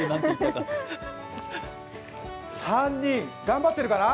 ３人、頑張ってるかな？